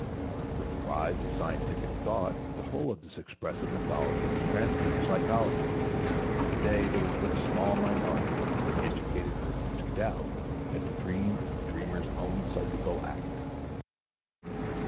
With the rise of scientific thought the whole of this expressive mythology was transferred to psychology; to day there is but a small minority among educated persons who doubt that the dream is the dreamer's own psychical act.